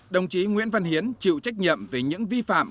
đồng chí nguyễn văn hiến chịu trách nhiệm về những vi phạm